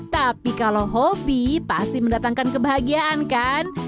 tapi kalau hobi pasti mendatangkan kebahagiaan kan